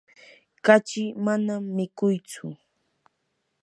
kachi manam mikuytsu.